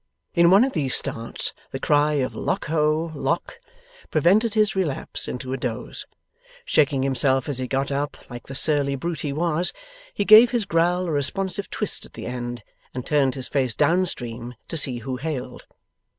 In one of these starts the cry of 'Lock, ho! Lock!' prevented his relapse into a doze. Shaking himself as he got up like the surly brute he was, he gave his growl a responsive twist at the end, and turned his face down stream to see who hailed.